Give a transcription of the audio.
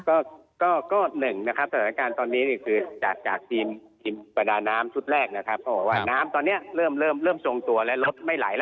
ก็ก็หนึ่งนะครับสถานการณ์ตอนนี้นี่คือจากจากทีมทีมประดาน้ำชุดแรกนะครับก็บอกว่าน้ำตอนนี้เริ่มเริ่มทรงตัวและรถไม่ไหลแล้ว